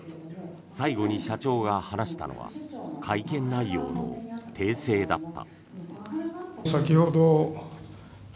最後に社長が話したのは会見内容の訂正だった。